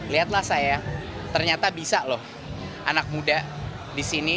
lihatlah saya ternyata bisa loh anak muda di sini